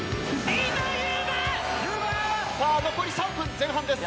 さあ残り３分前半です。